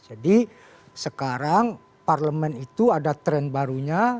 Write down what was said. jadi sekarang parlemen itu ada tren barunya